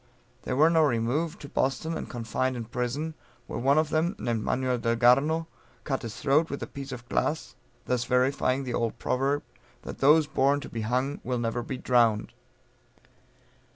They were now removed to Boston and confined in prison, where one of them, named Manuel Delgarno cut his throat with a piece of glass, thus verifying the old proverb, _that those born to be hung, will never be drown'd!